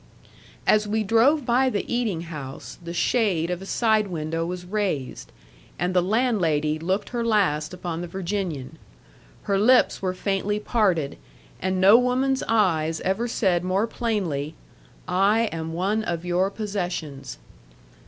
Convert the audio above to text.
As we drove by the eating house, the shade of a side window was raised, and the landlady looked her last upon the Virginian. Her lips were faintly parted, and no woman's eyes ever said more plainly, "I am one of your possessions."